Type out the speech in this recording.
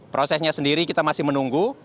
prosesnya sendiri kita masih menunggu